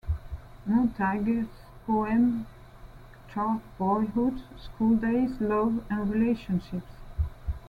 Montague's poems chart boyhood, schooldays, love and relationships.